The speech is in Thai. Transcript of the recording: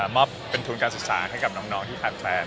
มาเป็นทุนการศึกษาให้กับน้องที่คันแฟนครับผม